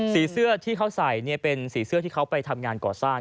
เสื้อที่เขาใส่เป็นสีเสื้อที่เขาไปทำงานก่อสร้าง